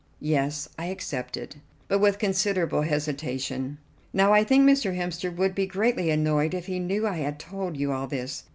"Yes, I accepted, but with considerable hesitation. Now, I think Mr. Hemster would be greatly annoyed if he knew I had told you all this.